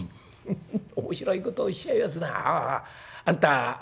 「面白いことおっしゃいやすな。あんた落語家？」。